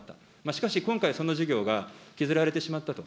しかし今回、その事業が削られてしまったと。